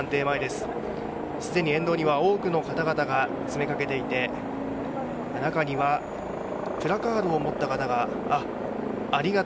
すでに沿道には多くの方が詰めかけていて中には、プラカードを持った方が。